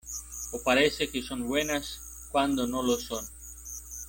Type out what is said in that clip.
o parece que son buenas cuando no lo son.